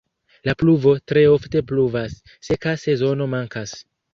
La pluvo tre ofte pluvas, seka sezono mankas.